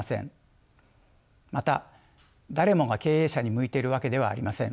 また誰もが経営者に向いているわけではありません。